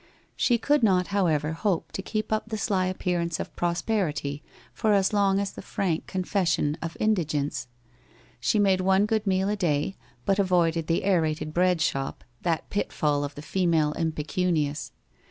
She could not however hope to keep up the sly ap pearance of prosperity for as long as the frank confession i»r indigence. She made one good meal a day, but avoided the aerated breadshop, that pitfall of the female impecu nious.